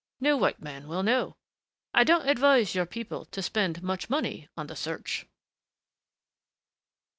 No white man will know.... I don't advise your people to spend much money on the search."